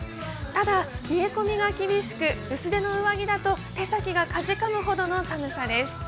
ただ、冷え込みが厳しく薄手の上着だと手先がかじかむほどの寒さです。